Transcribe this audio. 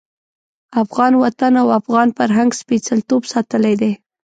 افغان وطن او افغان فرهنګ سپېڅلتوب ساتلی دی.